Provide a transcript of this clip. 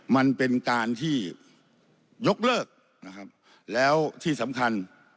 มันเป็นการที่ยกเลิกนะครับแล้วที่สำคัญ